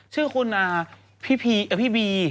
ชื่อคุณพี่บี